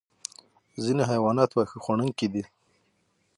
ځینې حیوانات واښه خوړونکي دي